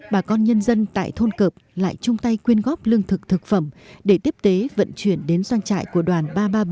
bà con nhân dân tại thôn cợp lại chung tay quyên góp lương thực thực phẩm để tiếp tế vận chuyển đến doanh trại của đoàn ba trăm ba mươi bảy